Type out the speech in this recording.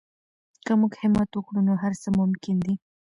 که موږ همت وکړو نو هر څه ممکن دي.